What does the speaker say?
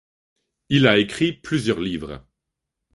Il a écrit plusieurs livres.